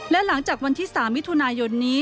และหลังจากวันที่๓มิถุนายนนี้